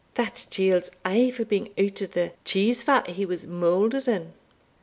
That chield's aye for being out o' the cheese fat he was moulded in.